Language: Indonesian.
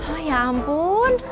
oh ya ampun